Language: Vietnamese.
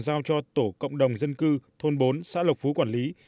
giao cho tổ cộng đồng dân cư thôn bốn xã lộc phú quản lý